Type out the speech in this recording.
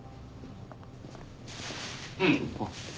うん。